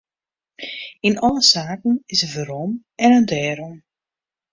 Yn alle saken is in wêrom en in dêrom.